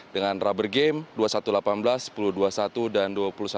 dengan rubber game dua puluh satu delapan belas sepuluh dua puluh satu dan dua puluh satu sembilan belas